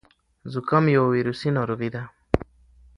زکام یو ویروسي ناروغي ده.